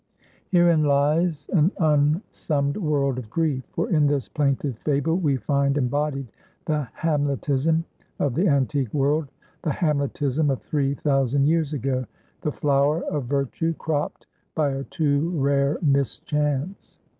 Herein lies an unsummed world of grief. For in this plaintive fable we find embodied the Hamletism of the antique world; the Hamletism of three thousand years ago: "The flower of virtue cropped by a too rare mischance."